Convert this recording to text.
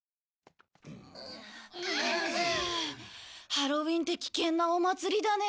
ハロウィンって危険なお祭りだね。